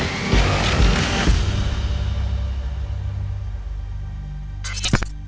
ขอบคุณครับ